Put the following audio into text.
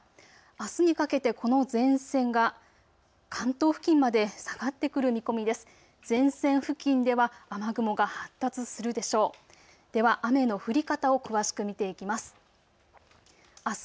あすにかけてこの前線が関東付近まで下がってくる見込みです。